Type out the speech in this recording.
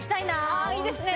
ああいいですね。